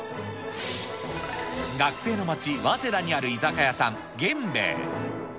学生の街、早稲田にある居酒屋さん、源兵衛。